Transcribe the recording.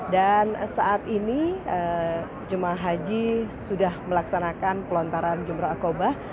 dan saat ini jemaah haji sudah melaksanakan pelontaran jumroh akobah